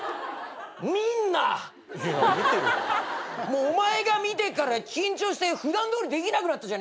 もうお前が見てから緊張して普段どおりできなくなった。